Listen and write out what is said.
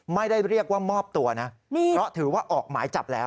ไม่ได้เรียกว่ามอบตัวนะเพราะถือว่าออกหมายจับแล้ว